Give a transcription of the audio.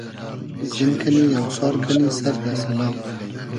زین کئنی , اۆسار کئنی سئر دۂ سئلا